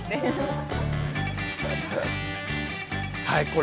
はい。